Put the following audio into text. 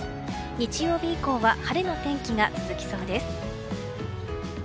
日曜日以降は晴れの天気が続きそうです。